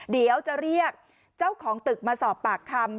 เดี๋ยวจะเรียกเจ้าของตึกมาสอบปากคำ